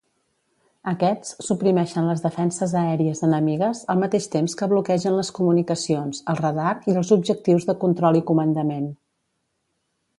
Aquests suprimeixen les defenses aèries enemigues al mateix temps que bloquegen les comunicacions, el radar i els objectius de control i comandament.